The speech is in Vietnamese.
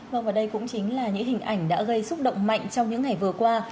vâng và đây cũng chính là những hình ảnh đã gây xúc động mạnh trong những ngày vừa qua